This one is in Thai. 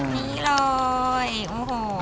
มาแล้ว